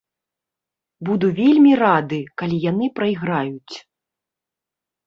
Буду вельмі рады, калі яны прайграюць.